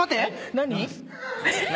何？